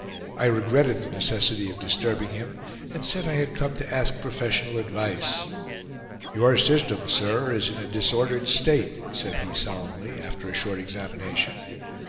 I regretted the necessity of disturbing him, and said I had come to ask professional advice. "Your system, sir, is in a disordered state," said he solemnly, after a short examination.